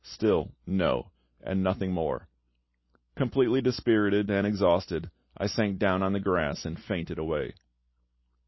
Still "No," and nothing more. Completely dispirited and exhausted, I sank down on the grass and fainted away.